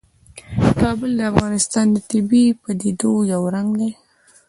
کابل د افغانستان د طبیعي پدیدو یو رنګ دی.